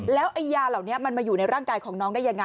แล้วไอ้ยาเหล่านี้มันมาอยู่ในร่างกายของน้องได้ยังไง